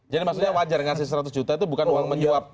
jadi maksudnya wajar ngasih seratus juta itu bukan uang menjawab